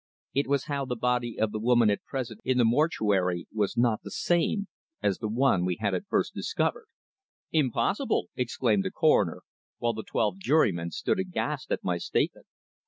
It was how the body of the woman at present in the mortuary was not the same as the one we had at first discovered. "Impossible!" exclaimed the Coroner, while the twelve jurymen stood aghast at my statement.